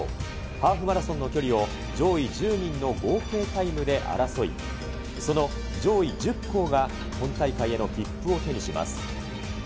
ハーフマラソンの距離を上位１０人の合計タイムで争い、その上位１０校が本大会への切符を手にします。